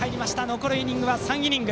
残るイニングは３イニング。